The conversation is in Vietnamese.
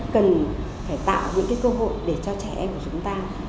cần phải tạo những cơ hội để cho trẻ em của chúng ta